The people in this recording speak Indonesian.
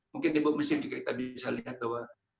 mungkin di buk mesir juga kita bisa lihat bahwa